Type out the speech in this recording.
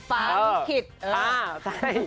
ฟ้าลิขิต